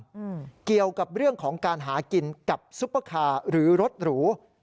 เกี่ยวกับเรื่องของการหากินกับซุปเปอร์คาร์หรือรถหรู